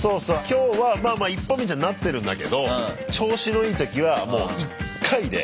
今日はまあまあ一本道にはなってるんだけど調子のいい時はもう１回で。